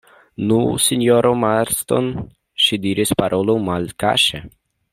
Nu, sinjoro Marston, ŝi diris, parolu malkaŝe.